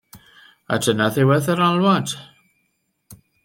A dyna ddiwedd yr alwad.